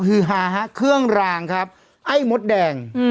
คือฮาเครื่องรางไอ้มดแดง